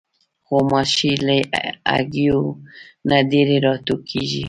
غوماشې له هګیو نه ډېرې راټوکېږي.